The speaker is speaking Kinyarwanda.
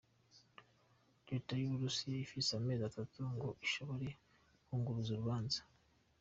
Reta y'Uburusiya ifise amezi atatu ngo ishobore kwunguruza urubanza.